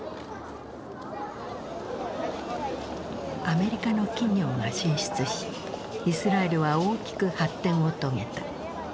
アメリカの企業が進出しイスラエルは大きく発展を遂げた。